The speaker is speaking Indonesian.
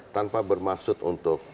tanpa bermaksud untuk